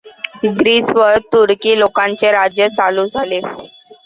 ग्रीसवर तुर्की लोकांचे राज्य चालू झाले.